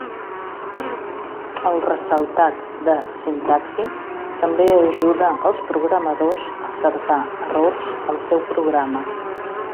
El ressaltat de sintaxi també ajuda els programadors a cercar errors al seu programa.